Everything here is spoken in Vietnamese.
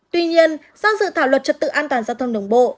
tuy nhiên do dự thảo luật trật tự an toàn giao thông đường bộ